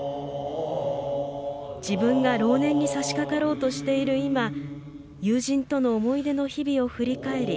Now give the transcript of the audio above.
自分が老年にさしかかろうとしている今友人との思い出の日々を振り返り